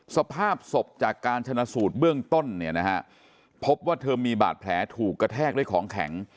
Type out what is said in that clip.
สภาพศพจากการชนะสูตรเบื้องต้นเนี่ยนะฮะพบว่าเธอมีบาดแผลถูกกระแทกด้วยของแข็ง